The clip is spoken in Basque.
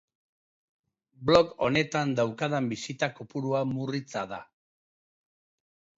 Blog honetan daukadan bisita kopurua murritza da.